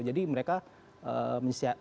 jadi mereka mensiasatinya